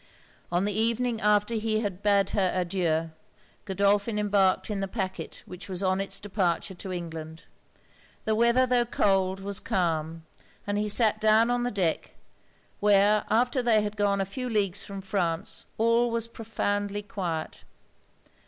On the evening after he had bade her adieu, Godolphin embarked in the pacquet which was on it's departure to England. The weather, tho' cold, was calm; and he sat down on the deck, where, after they had got a few leagues from France, all was profoundly quiet.